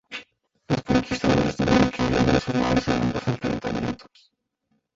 Los conquistadores tuvieron que huir en sus naves en ambos enfrentamientos.